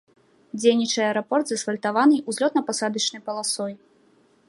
Дзейнічае аэрапорт з асфальтаванай узлётна-пасадачнай паласой.